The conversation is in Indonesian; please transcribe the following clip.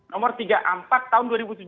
nomor tiga puluh empat tahun dua ribu tujuh belas